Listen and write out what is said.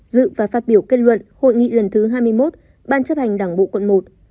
dự và phát biểu kết luận hội nghị lần thứ hai mươi một ban chấp hành đảng bộ quận một